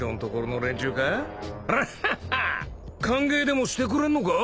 歓迎でもしてくれんのか？